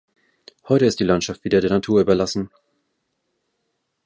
Heute ist die Landschaft wieder der Natur überlassen.